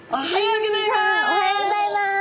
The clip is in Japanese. おはようギョざいます！